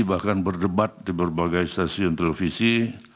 bahkan berdebat di berbagai stasiun televisi